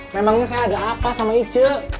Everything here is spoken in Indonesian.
memangnya saya ada apa sama ice